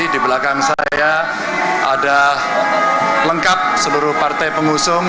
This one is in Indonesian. di belakang saya ada lengkap seluruh partai pengusung